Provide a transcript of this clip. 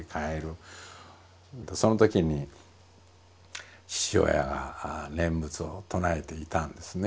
そのときに父親が念仏を唱えていたんですね。